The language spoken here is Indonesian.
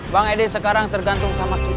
bang edi sekarang tergantung sama kita